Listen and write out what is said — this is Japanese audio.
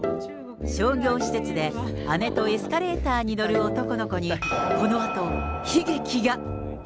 商業施設で姉とエスカレーターに乗る男の子に、このあと悲劇が。